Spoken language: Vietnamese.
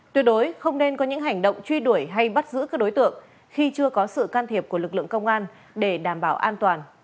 tuyệt đối không nên có những hành động truy đuổi hay bắt giữ các đối tượng khi chưa có sự can thiệp của lực lượng công an để đảm bảo an toàn